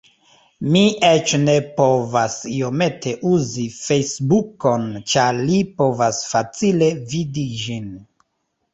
Mi eĉ ne povas iomete uzu Fejsbukon ĉar li povas facile vidi ĝin.